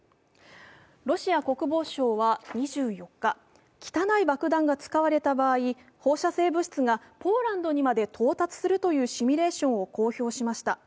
ロシア国防省は２４日、汚い爆弾が使われた場合、放射性物質がポーランドにまで到達するというシミュレーションを公表しました。